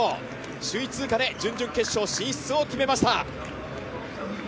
首位通過でグループリーグ決勝進出を決めました。